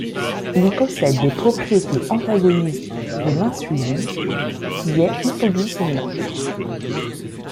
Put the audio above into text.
Il possède des propriétés antagonistes de l'insuline, qui est hypoglycémiante.